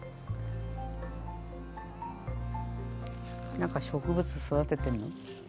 何か植物育ててんの？